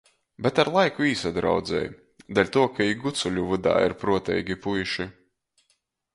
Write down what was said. Bet ar laiku īsadraudzej, deļtuo ka i gucuļu vydā ir pruoteigi puiši.